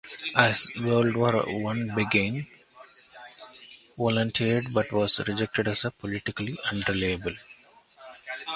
As World War One began, Mayakovsky volunteered but was rejected as 'politically unreliable'.